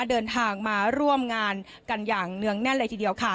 เดินทางมาร่วมงานกันอย่างเนื่องแน่นเลยทีเดียวค่ะ